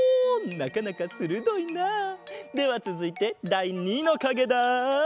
なかなかするどいな！ではつづいてだい２のかげだ。